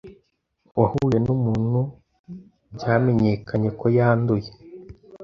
Uwahuye n'umuntu byamenyekanye ko yanduye